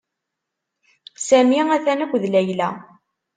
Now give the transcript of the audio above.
Sami atan akked Layla.